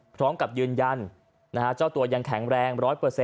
พร้อมกับยืนยันเจ้าตัวยังแข็งแรง๑๐๐